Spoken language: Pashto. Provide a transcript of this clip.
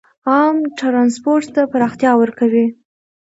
عام ټرانسپورټ ته پراختیا ورکوي.